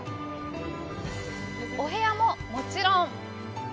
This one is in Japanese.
お部屋も、もちろん？